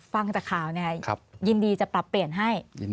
ฟังจากข่าวเนี่ยยินดีจะปรับเปลี่ยนให้